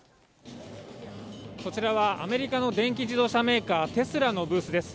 こちらはアメリカの電気自動車メーカー、テスラのブースです。